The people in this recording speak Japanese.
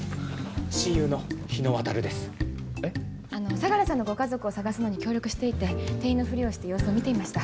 相良さんのご家族を捜すのに協力していて店員のふりをして様子を見ていました。